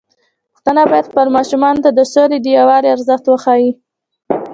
پښتانه بايد خپل ماشومان ته د سولې او يووالي ارزښت وښيي.